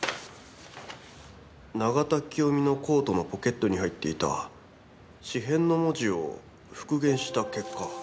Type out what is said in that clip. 永田清美のコートのポケットに入っていた紙片の文字を復元した結果。